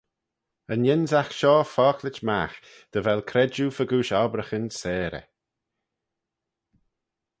Yn ynsagh shoh focklit magh, dy vel credjue fegooish obbraghyn seyrey.